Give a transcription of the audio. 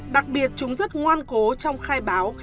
đặc biệt chúng rất ngoan cố trong khai báo